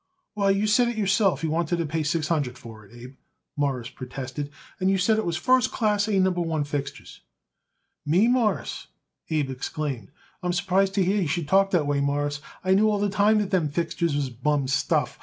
"Why, you say it yourself you wanted to pay six hundred for it, Abe," Morris protested, "and you said it was first class, A Number One fixtures." "Me, Mawruss!" Abe exclaimed. "I'm surprised to hear you should talk that way, Mawruss. I knew all the time that them fixtures was bum stuff.